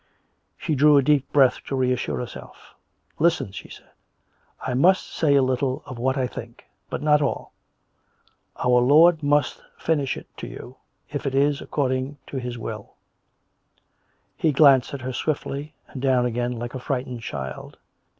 She drew a deep breath to reassure herself. " Listen !" she said. " I must say a little of what I think; but not all. Our Lord must finish it to you^ if it is according to His will." 98 COME RACK! COME ROPE! He glanced at her swiftly, and down again, like a frightened child.